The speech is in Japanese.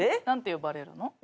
何て呼ばれるの？